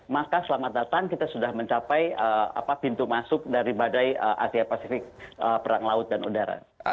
maka selamat datang kita sudah mencapai pintu masuk dari badai asia pasifik perang laut dan udara